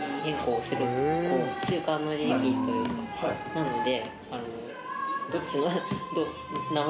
なので。